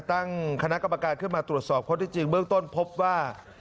ตั้งคณะกรรมการขึ้นมาตรวจสอบข้อที่จริงเบื้องต้นพบว่า